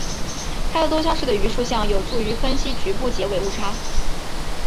泰勒多项式的余数项有助于分析局部截尾误差。